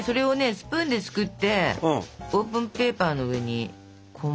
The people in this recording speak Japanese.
スプーンですくってオーブンペーパーの上にこんもり。